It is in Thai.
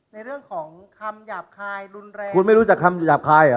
ในเรื่องของคำหยาบคายรุนแรงคุณไม่รู้จักคำหยาบคายเหรอ